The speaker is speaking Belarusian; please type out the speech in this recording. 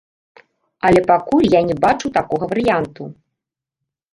Але пакуль я не бачу такога варыянту.